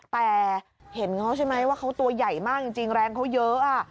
แต่เห็นเขาใช่ไหมว่าเขาตัวใหญ่มากจริงแรงเขาเยอะ